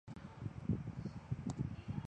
加速医疗院所工程